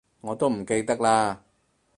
我都唔記得喇